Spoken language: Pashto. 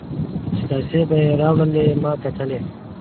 چې کاسې به یې راوړلې ما کتلې.